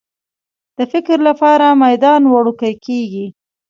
د فکر لپاره میدان وړوکی کېږي.